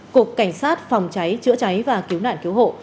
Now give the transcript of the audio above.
cục cảnh sát phòng cháy chữa cháy và cứu nạn cứu hộ